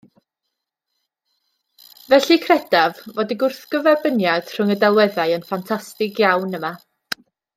Felly credaf fod y gwrthgyferbyniad rhwng y delweddau yn ffantastig iawn yma.